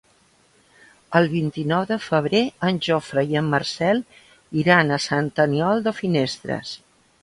El vint-i-nou de febrer en Jofre i en Marcel iran a Sant Aniol de Finestres.